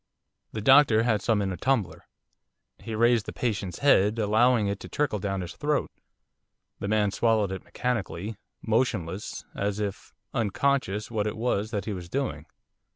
The doctor had some in a tumbler. He raised the patient's head, allowing it to trickle down his throat. The man swallowed it mechanically, motionless, as if unconscious what it was that he was doing.